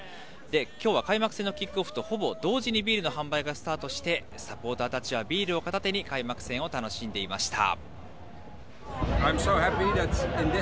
きょうは開幕戦のキックオフとほぼ同時にビールの販売がスタートして、サポーターたちはビールを片手に開幕戦を楽しんでいました。